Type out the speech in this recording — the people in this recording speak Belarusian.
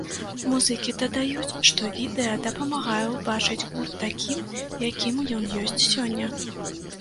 Музыкі дадаюць, што відэа дапамагае ўбачыць гурт такім, якім ён ёсць сёння.